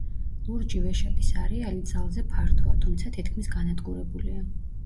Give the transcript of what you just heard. ლურჯი ვეშაპის არეალი ძალზე ფართოა, თუმცა თითქმის განადგურებულია.